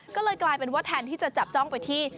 ก็เลยกลายเป็นว่าแทนที่จะจับจ้องไปที่